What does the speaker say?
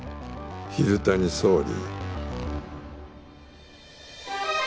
蛭谷総理。